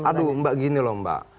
aduh mbak gini loh mbak